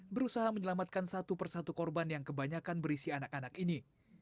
berusaha menyelamatkan satu persatu korban yang kebanyakan berisi anak anak ini